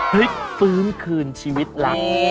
พลิกฟื้นคืนชีวิตรัก